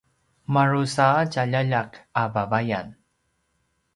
madrusa a tjaljaljak a vavayan